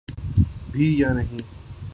بھی یا نہیں۔